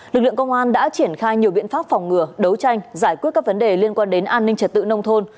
lực lượng công an đã triển khai nhiều biện pháp phòng ngừa đấu tranh giải quyết các vấn đề liên quan đến an ninh trật tự nông thôn